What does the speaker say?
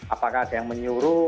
apakah ada yang menyuruh